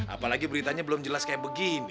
apalagi beritanya belum jelas kayak begini